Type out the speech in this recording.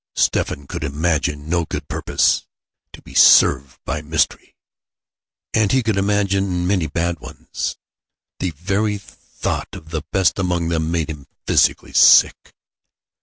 Stephen could imagine no good purpose to be served by mystery, and he could imagine many bad ones. The very thought of the best among them made him physically sick.